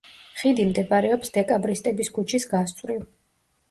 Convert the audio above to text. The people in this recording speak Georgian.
ხიდი მდებარეობს დეკაბრისტების ქუჩის გასწვრივ.